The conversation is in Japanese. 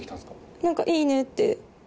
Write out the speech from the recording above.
なんかいいねって。